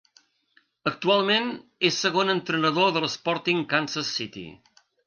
Actualment és segon entrenador de l'Sporting Kansas City.